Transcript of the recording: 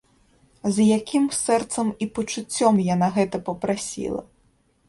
З якім сэрцам і пачуццём яна гэта папрасіла!